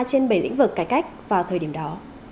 trên bảy lĩnh vực cải cách vào thời điểm đó